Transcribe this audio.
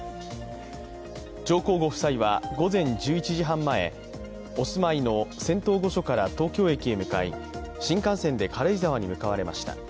上皇ご夫妻は午前１１時半前お住まいの仙洞御所から東京駅へ向かい、新幹線で軽井沢に向かわれました。